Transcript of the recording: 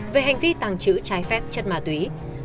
về hành vi tàng trữ trái phép chất ma túy